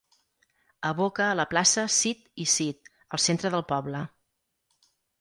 Aboca a la plaça Cid i Cid, al centre del poble.